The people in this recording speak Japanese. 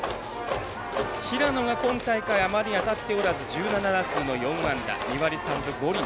平野が今大会あまり当たっておらず１７打数の４安打２割３分５厘。